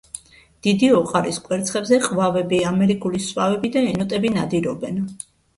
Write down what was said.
დიდი ოყარის კვერცხებზე ყვავები, ამერიკული სვავები და ენოტები ნადირობენ.